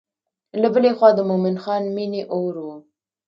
له بلې خوا د مومن خان مینې اور و.